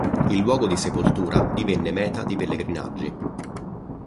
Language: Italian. Il luogo di sepoltura divenne meta di pellegrinaggi.